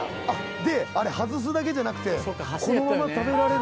で外すだけじゃなくてこのまま食べられる。